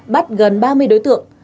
bắt gần ba mươi đối tượng